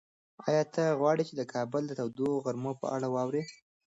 ایا ته غواړې چې د کابل د تودو غرمو په اړه واورې؟